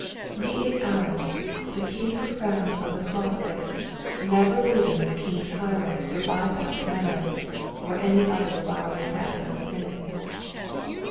Be it ours to keep the crown of the causeway, never leaving the Eing*8 highway for By path Meadow, or any other flowery path of sin.